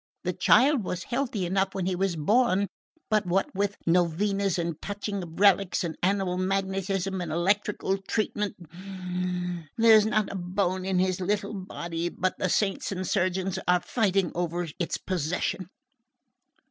The child was healthy enough when he was born; but what with novenas and touching of relics and animal magnetism and electrical treatment, there's not a bone in his little body but the saints and the surgeons are fighting over its possession.